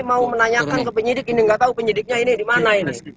kalau menanyakan ke penyidik ini nggak tahu penyidiknya ini dimana ini